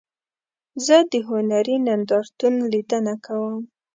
زه د هنري نندارتون لیدنه کوم.